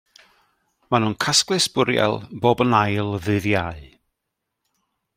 Maen nhw'n casglu sbwriel bob yn ail ddydd Iau.